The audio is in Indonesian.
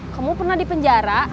kamu pernah di penjara